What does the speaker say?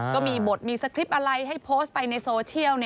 ก็มีบทมีสคริปต์อะไรให้โพสต์ไปในโซเชียล